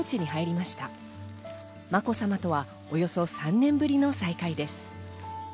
まこさまとはおよそ３年ぶりの再会です。